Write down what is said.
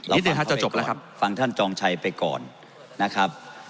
นิดนึงฮะจะจบแล้วครับฟังท่านจองชัยไปก่อนนะครับ